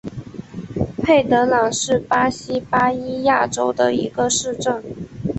佩德朗是巴西巴伊亚州的一个市镇。